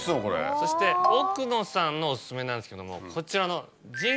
そして奥野さんのオススメなんですけどもこちらの。